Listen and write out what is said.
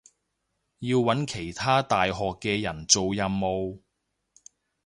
要搵其他大學嘅人做任務